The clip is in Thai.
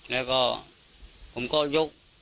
แล้วก็ผมก็ยกไปที่นี่นะครับ